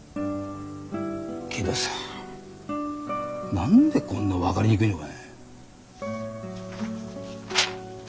けどさぁ何でこんな分かりにくいのかね。